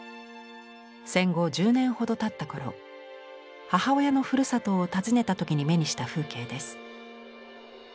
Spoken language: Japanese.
戦後１０年ほどたった頃母親のふるさとを訪ねた時に目にした風景です。